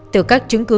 từ các chứng cứ